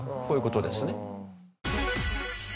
こういう事ですね。